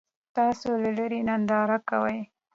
تاسو له لرې ننداره کوئ.